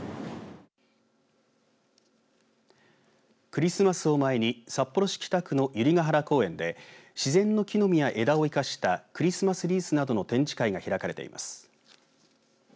クリスマスを前に札幌市北区の百合が原公園で自然の木の実や枝を生かしたクリスマスリースなどの展示会が開かれています。